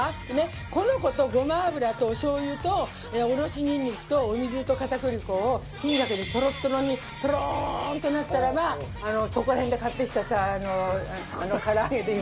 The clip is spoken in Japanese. この子とごま油とおしょう油とおろしニンニクとお水と片栗粉を火にかけてトロトロにトローンとなったらばそこら辺で買ってきたさ唐揚げでいいのよ。